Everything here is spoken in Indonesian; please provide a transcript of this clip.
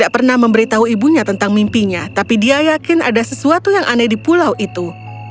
tidak pernah memberitahu ibunya tentang mimpinya tapi dia yakin ada sesuatu yang aneh di pulau itu